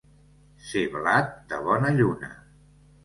Ser blat de bona lluna.